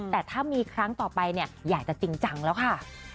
แต่ถ้ามีครั้งต่อไปเนี่ยอยากจะจริงจังแล้วค่ะ